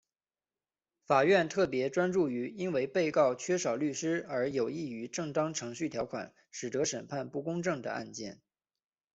法院特别专注于因为被告缺少律师而有异于正当程序条款使得审判不公正的案件。